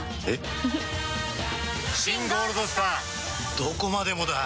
どこまでもだあ！